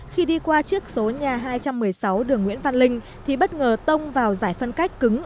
khi đi qua chiếc số nhà hai trăm một mươi sáu đường nguyễn văn linh thì bất ngờ tông vào giải phân cách cứng